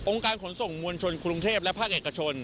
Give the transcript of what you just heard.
องค์การขนส่งมวลชนคุณเทพและภาคเอกชน